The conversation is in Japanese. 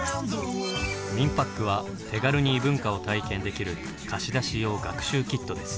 「みんぱっく」は手軽に異文化を体験できる貸し出し用学習キットです。